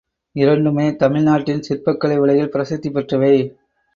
இரண்டுமே தமிழ்நாட்டின் சிற்பக்கலை உலகில் பிரசித்தி பெற்றவை.